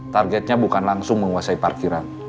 targetnya bukan langsung menguasai parkiran